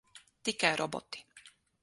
Tikai roboti.